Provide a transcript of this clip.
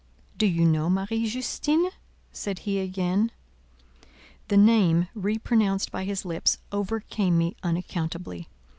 "Do you know Marie Justine?" said he again. The name re pronounced by his lips overcame me unaccountably.